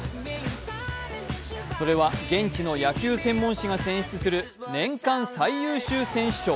それは現地の野球専門誌が選出する年間最優秀選手賞。